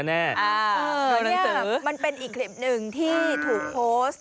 หนังสือมันเป็นอีกคลิปหนึ่งที่ถูกโพสต์